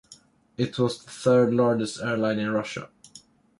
It was the third largest airline in Russia.